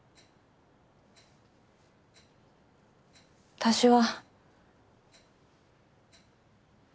私は。